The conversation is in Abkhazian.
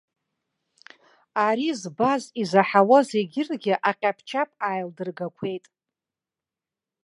Ари збаз, изаҳауаз егьырҭгьы аҟьаԥ-чаԥ ааилдыргақәеит.